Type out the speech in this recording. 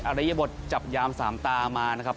ริยบทจับยามสามตามานะครับ